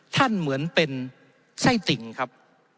เหมือนเป็นไส้ติ่งครับ